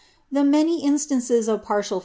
* The many instances of pami;. .